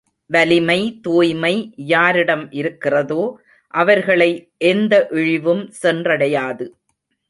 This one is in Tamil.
வலிமை, தூய்மை யாரிடம் இருக்கிறதோ அவர்களை எந்த இழிவும் சென்றடையாது.